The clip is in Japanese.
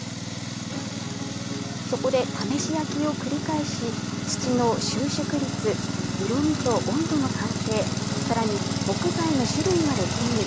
そこで試し焼きを繰り返し、土の収縮率、色味と温度の関係、さらに木材の種類まで吟味。